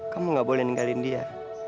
kamu gak boleh ninggalin dia